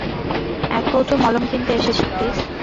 এক কৌটো মলম কিনতে এসেছি, প্লিজ।